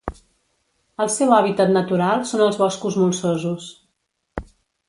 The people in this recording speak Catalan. El seu hàbitat natural són els boscos molsosos.